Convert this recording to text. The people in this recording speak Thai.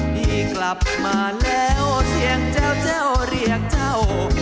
พี่กลับมาแล้วเสียงเจ้าเรียกเจ้า